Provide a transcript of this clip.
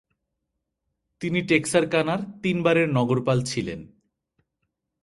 তিনি টেক্সারকানার তিনবারের নগরপাল ছিলেন।